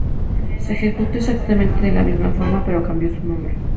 Se ejecutó exactamente de la misma forma, pero cambió su nombre.